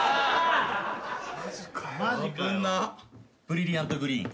ブリリアントグリーン。